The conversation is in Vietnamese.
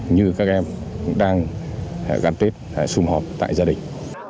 như các em đang gắn tết xung họp tại gia đình